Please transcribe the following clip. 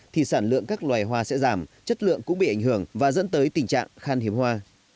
thì sản lượng các loài hoa sẽ giảm chất lượng cũng bị ảnh hưởng và dẫn tới tình trạng khan hiếm hoa